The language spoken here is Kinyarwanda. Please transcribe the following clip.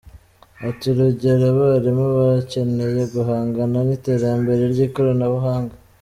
Ati” Urugero abarimu bakeneye guhangana n’iterambere ry’ikoranabuhanga.